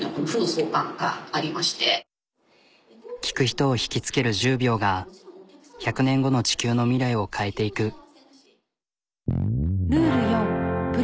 聞く人をひきつける１０秒が１００年後の地球の未来を変えていく。